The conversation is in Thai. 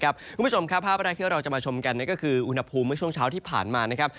คุณผู้ชมครับภาพรายเคี่ยวเราจะมาชมกันก็คืออุณหภูมิช่วงเช้าที่ผ่านมา